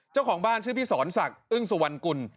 เจ้าของบ้านชื่อพี่สรษักอึ้งสุวรรคุณ